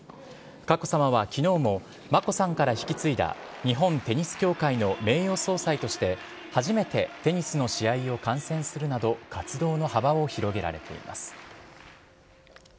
佳子さまはきのうも、眞子さんから引き継いだ、日本テニス協会の名誉総裁として、初めてテニスの試合を観戦するなど、活動の幅を広げられています。